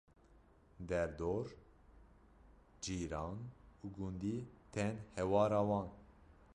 Der dor, cîran û gundî tên hewara wan